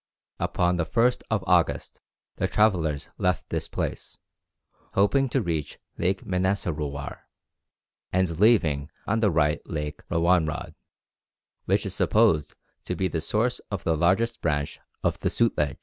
Upon the 1st of August the travellers left this place, hoping to reach Lake Manasarowar, and leaving on the right Lake Rawan rhad, which is supposed to be the source of the largest branch of the Sutlej.